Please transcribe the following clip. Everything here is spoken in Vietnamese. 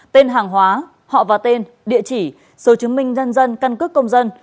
tên hàng hóa họ và tên địa chỉ số chứng minh nhân dân căn cước công dân